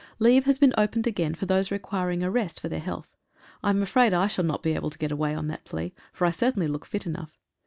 Leave has been opened again for those requiring a rest for their health. I am afraid I shall not be able to get away on that plea, for I certainly look fit enough.